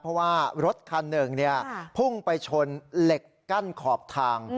เพราะว่ารถคันหนึ่งพุ่งไปชนเหล็กกั้นขอบทาง